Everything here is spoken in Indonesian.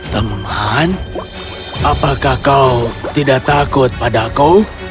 teman apakah kau tidak takut padaku